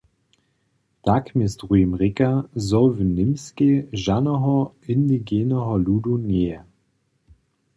Tak mjez druhim rěka, zo w Němskej žanoho indigeneho ludu njeje.